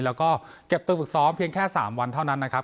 แล้วก็เก็บตัวฝึกซ้อมเพียงแค่๓วันเท่านั้นนะครับ